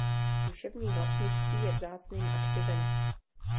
Duševní vlastnictví je vzácným aktivem.